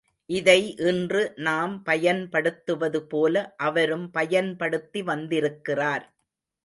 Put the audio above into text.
இதை இன்று நாம் பயன்படுத்துவது போல அவரும் பயன்படுத்தி வந்திருக்கிறார்.